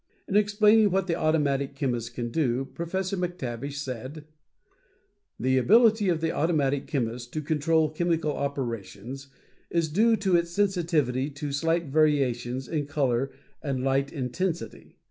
In explaining what the automatic chemist can do, Professor MacTavish said: "The ability of the automatic chemist to control chemical operations is due to its sensitivity to slight variations in color and light intensity.